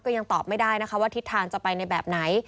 ยังตอบไม่ได้นะคะว่าทิศทางจะไปในแบบไหน